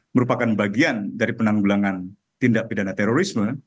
merupakan bagian dari penanggulangan tindak pidana terorisme